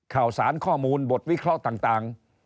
ข่าวสารข้อมูลบทวิเคราะห์ต่าง